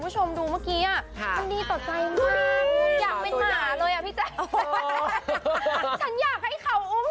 ฉันอยากเป็นตัวจริง